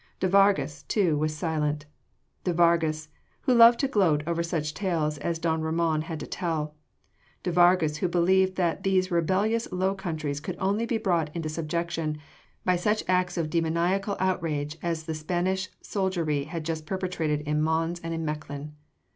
De Vargas, too, was silent de Vargas who loved to gloat over such tales as don Ramon had to tell, de Vargas who believed that these rebellious Low Countries could only be brought into subjection by such acts of demoniacal outrage as the Spanish soldiery had just perpetrated in Mons and in Mechlin.